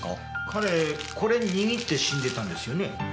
彼これ握って死んでたんですよね？